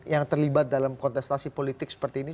yang terlibat dalam kontestasi politik seperti ini